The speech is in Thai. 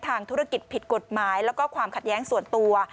ธุรกิจผิดกฎหมายแล้วก็ความขัดแย้งส่วนตัว